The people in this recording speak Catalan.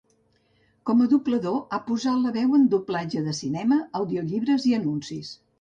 Com a doblador, ha posat la veu en doblatge de cinema, audiollibres i anuncis.